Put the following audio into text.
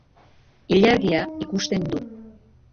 Ilargia ikusten du.